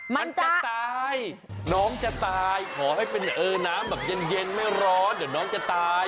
มันจะตายน้องจะตายขอให้เป็นน้ำแบบเย็นไม่ร้อนเดี๋ยวน้องจะตาย